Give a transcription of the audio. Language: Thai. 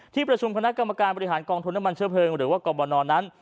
ที่ประชุมคณะกรรมการบริหารกองทุนน้ำมันเชื้อเพลิงหรือว่ากรบนนั้น